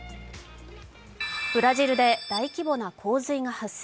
ブラジルで大規模な洪水が発生。